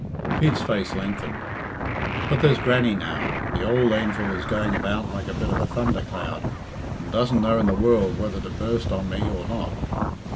Pete's face lengthened. "But there's Grannie, now. The ould angel is going about like a bit of a thunder cloud, and doesn't know in the world whether to burst on me or not.